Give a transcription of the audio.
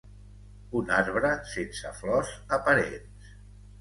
Un arbre sense flors aparents.